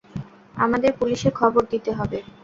আমাদের পুলিশে খবর দিতে হবে।